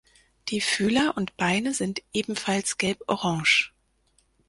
Die Fühler und Beine sind ebenfalls gelborange.